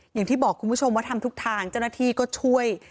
อย่างที่บอกคุณผู้ชมว่าทำทุกทางเจ้าหน้าที่ก็ช่วย